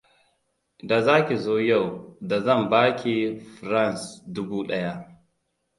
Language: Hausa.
Da za ki zo yau, da zan ba ki franc dubu ɗaya.